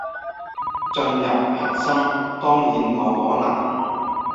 進入核心，當然冇可能